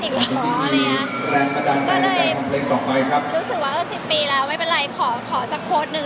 ก็เลยรู้สึกว่า๑๐ปีแล้วไม่เป็นไรขอสักโมสนึง